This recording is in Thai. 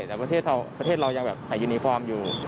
แต่ประเทศเรายังแบบใส่ยูนิฟอร์มอยู่